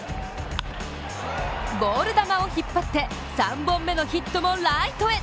ボール球を引っ張って３本目のヒットもライトへ。